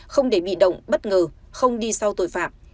không để bị động bất ngờ không đi sau tội phạm